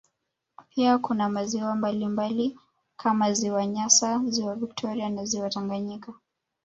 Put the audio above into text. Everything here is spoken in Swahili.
Pia kuna maziwa mbalimbali kama ziwa nyasa ziwa victoria na ziwa Tanganyika